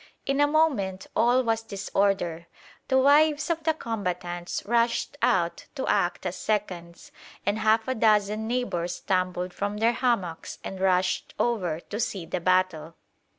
In a moment all was disorder. The wives of the combatants rushed out to act as seconds, and half a dozen neighbours tumbled from their hammocks and rushed over to see the battle.